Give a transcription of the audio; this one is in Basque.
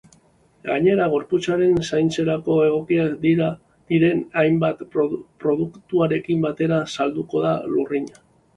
Gainera, gorputzaren zainketarako egokiak diren hainbat produkturekin batera salduko da lurrina.